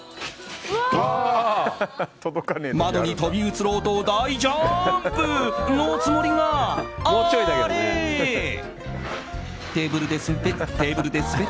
窓に飛び移ろうと大ジャンプ！のつもりが、あれ。